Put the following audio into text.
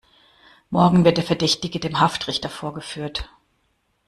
Morgen wird der Verdächtige dem Haftrichter vorgeführt.